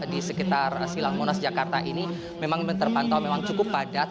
di sekitar silang monas jakarta ini memang terpantau memang cukup padat